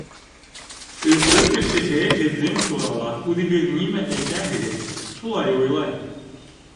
Өфө кешеһе һеҙҙең турала үҙегеҙ нимә әйтәһегеҙ, шулай уйлай.